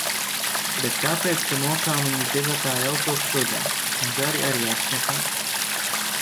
Bet tāpēc, ka mokām viņus divatā jau kopš rudens. Un zari arī apšņakāti.